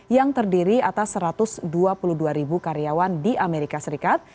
yang terdiri atas satu ratus dua puluh dua ribu karyawan di amerika serikat